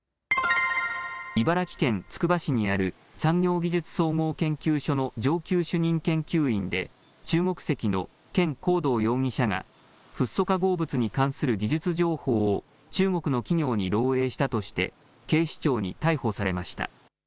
茨城県つくば市にある産業技術総合研究所の上級主任研究員で中国籍の権恒道容疑者がフッ素化合物に関する技術情報を中国の企業に漏えいしたとして警視庁に逮捕されました。